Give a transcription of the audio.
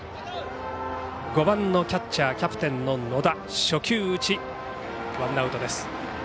５番のキャッチャーキャプテンの野田初球打ち、ワンアウト。